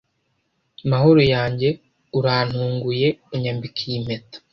mahoro yanjye urantunguye unyambika iyi mpeta